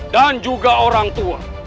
dan juga orang tua